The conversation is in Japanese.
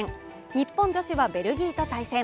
日本女子はベルギーと対戦。